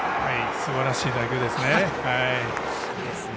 すばらしい打球ですね。